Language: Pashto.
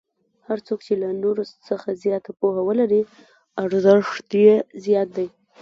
هر څوک چې له نورو څخه زیاته پوهه ولري ارزښت یې زیات دی.